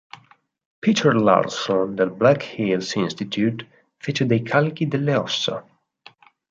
Peter Larson del Black Hills Institute fece dei calchi delle ossa.